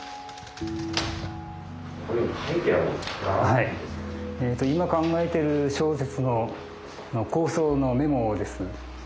はい今考えてる小説の構想のメモです。